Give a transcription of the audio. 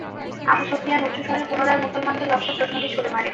Abu Sufyan উচ্চঃস্বরে পুনরায় মুসলমানদের লক্ষ্যে প্রশ্নটি ছুঁড়ে মারে।